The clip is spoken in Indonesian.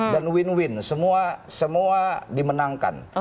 dan win win semua dimenangkan